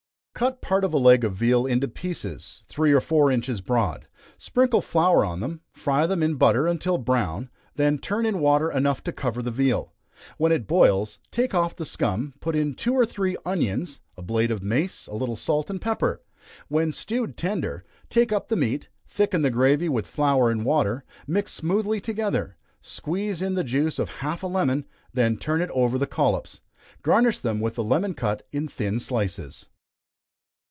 _ Cut part of a leg of veal into pieces, three or four inches broad sprinkle flour on them, fry them in butter until brown, then turn in water enough to cover the veal. When it boils, take off the scum, put in two or three onions, a blade of mace, a little salt and pepper. When stewed tender, take up the meat, thicken the gravy with flour and water, mixed smoothly together, squeeze in the juice of half a lemon, then turn it over the collops. Garnish them with a lemon cut in thin slices.